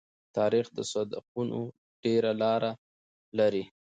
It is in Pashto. تاریخ د صدقونو ډېره لار لري.